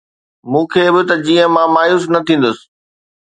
مون کي به، ته جيئن مان مايوس نه ٿيندس